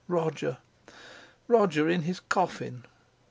Roger! Roger in his coffin!